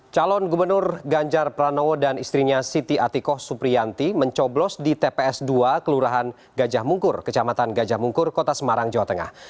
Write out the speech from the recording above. calon gubernur ganjar pranowo dan istrinya siti atikoh supriyanti mencoblos di tps dua kelurahan gajah mungkur kecamatan gajah mungkur kota semarang jawa tengah